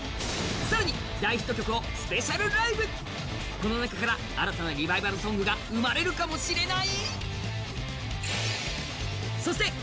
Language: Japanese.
この中から新たなリバイバルソングが生まれるかもしれない。